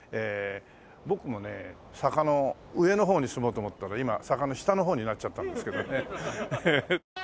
僕もね坂の上の方に住もうと思ったら今坂の下の方になっちゃったんですけどね。